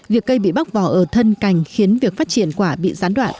việc cây bị bóc vỏ ở thân cành khiến việc phát triển quả bị gián đoạn